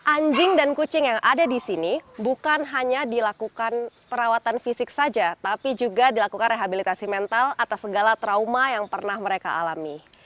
anjing dan kucing yang ada di sini bukan hanya dilakukan perawatan fisik saja tapi juga dilakukan rehabilitasi mental atas segala trauma yang pernah mereka alami